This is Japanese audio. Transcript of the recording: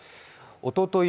おととい